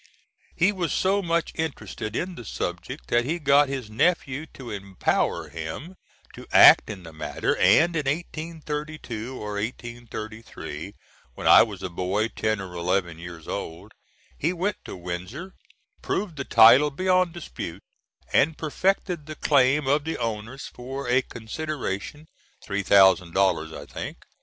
He was so much interested in the subject that he got his nephew to empower him to act in the matter, and in 1832 or 1833, when I was a boy ten or eleven years old, he went to Windsor, proved the title beyond dispute, and perfected the claim of the owners for a consideration three thousand dollars, I think.